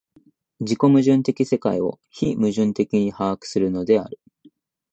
自己矛盾的世界を非矛盾的に把握するのである。